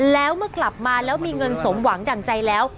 แล้วเมื่อกลับมาแล้วมีเงินสมหวังดั่งใจแล้ว